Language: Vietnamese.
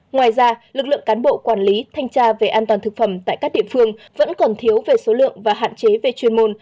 ngoài ra lực lượng cán bộ quản lý thanh tra về an toàn thực phẩm tại các địa phương vẫn còn thiếu về số lượng và hạn chế về chuyên môn